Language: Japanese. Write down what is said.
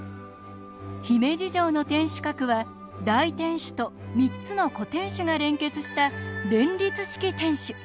姫路城の天守閣は大天守と３つの小天守が連結した連立式天守。